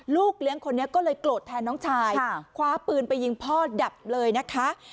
ลูกเลี้ยงคนนี้ก็เลยโกรธแทนน้องชายคว้าปืนไปยิงพ่อดับเลยนะคะ